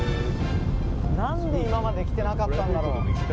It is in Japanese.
何で今まで来てなかったんだろう。